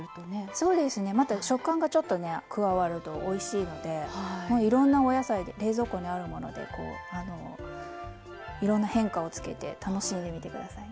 そうですねまた食感が加わるとおいしいのでいろんなお野菜で冷蔵庫にあるものでいろんな変化をつけて楽しんでみて下さい。